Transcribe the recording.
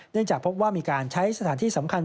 จากพบว่ามีการใช้สถานที่สำคัญ